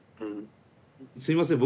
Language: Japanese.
すいません。